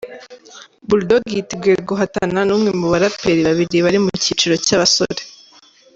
Bull Dogg yiteguye guhatana, ni umwe mu baraperi babiri bari mu cyiciro cy’abasore.